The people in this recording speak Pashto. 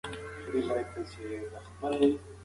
سردرد هر چا سره کېږي.